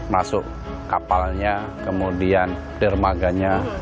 masuk kapalnya kemudian dermaganya